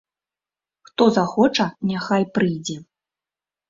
Хто захоча, няхай прыйдзе.